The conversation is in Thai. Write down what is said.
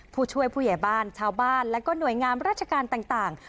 ผู้ช่วยผู้ใหญ่บ้านชาวบ้านและก็หน่วยงามราชการต่าง